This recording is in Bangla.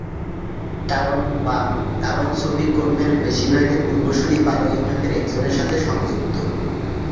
কারণ সুফী ক্রমের বেশিরভাগের পূর্বসূরী বারো ইমামের একজনের সাথে সংযুক্ত।